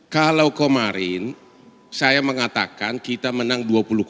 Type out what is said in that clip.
kalau kemarin saya mengatakan kita menang dua puluh empat